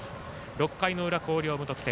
６回の裏、広陵、無得点。